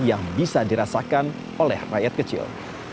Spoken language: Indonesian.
yang bisa dirasakan oleh rakyat kecil